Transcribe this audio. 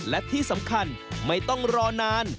และที่สำคัญไม่ต้องรอนาน